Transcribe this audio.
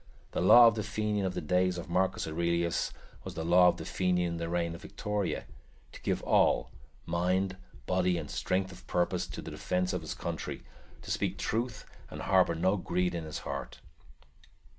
The law of the Fenian of the days of Marcus Aurelius was the law of the Fenian in the reign of Victoria to give all mind, body, and strength of purpose to the defense of his country, "to speak truth and harbor no greed in his heart."